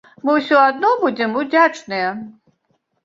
Мы ўсё адно будзем удзячныя.